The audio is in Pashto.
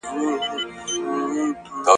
دا سبقونه له هغې ګټور دي.